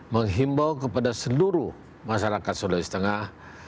menghimbau kepada seluruh masyarakat sulawesi tengah